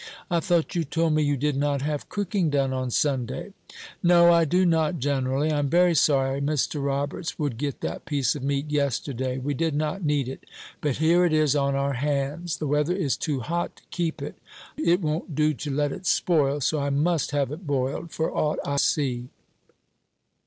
"I thought you told me you did not have cooking done on Sunday." "No, I do not, generally. I am very sorry Mr. Roberts would get that piece of meat yesterday. We did not need it; but here it is on our hands; the weather is too hot to keep it. It won't do to let it spoil; so I must have it boiled, for aught I see."